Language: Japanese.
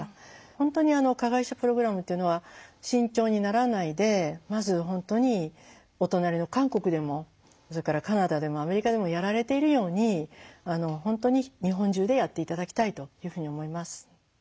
本当に加害者プログラムっていうのは慎重にならないでまず本当にお隣の韓国でもそれからカナダでもアメリカでもやられているように本当に日本中でやって頂きたいというふうに思います。